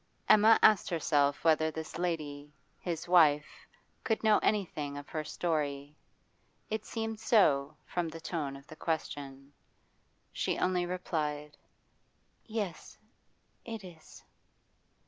Emma asked herself whether this lady, his wife, could know anything of her story. It seemed so, from the tone of the question. She only replied: 'Yes, it is.